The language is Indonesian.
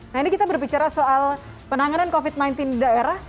nah ini kita berbicara soal penanganan covid sembilan belas di daerah